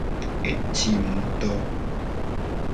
Etim ngto.